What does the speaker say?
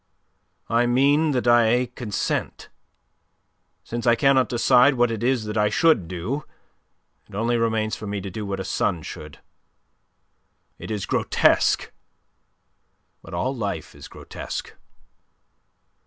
"I mean that I consent. Since I cannot decide what it is that I should do, it only remains for me to do what a son should. It is grotesque; but all life is grotesque."